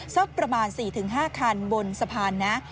สักประมาณ๔๕คันบนสะพานนะ